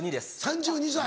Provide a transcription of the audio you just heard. ３２歳。